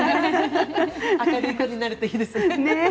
明るい子になるといいですね。